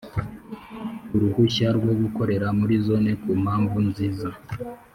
uruhushya rwo gukorera muri Zone Ku mpamvu nziza